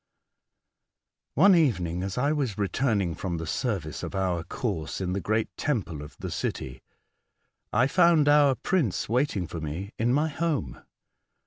One evening, as I was returning from the service of our course in the great temple of the city, I found our prince waiting for me in my home.